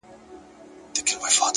صادق چلند د اعتماد کلا جوړوي!